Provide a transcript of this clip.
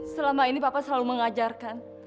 selama ini bapak selalu mengajarkan